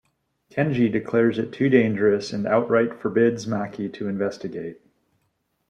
Kenji declares it too dangerous, and outright forbids Maki to investigate.